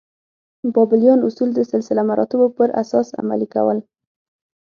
بابلیان اصول د سلسله مراتبو پر اساس عملي کول.